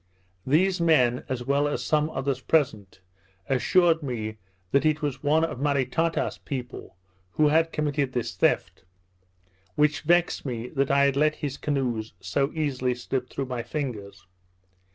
These men, as well as some others present, assured me that it was one of Maritata's people who had committed this theft; which vexed me that I had let his canoes so easily slip through my fingers.